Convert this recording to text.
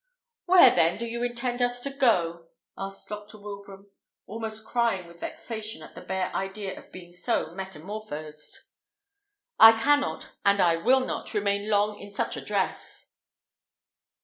"Where, then, do you intend us to go?" asked Dr. Wilbraham, almost crying with vexation at the bare idea of being so metamorphosed. "I cannot, and I will not, remain long in such a dress."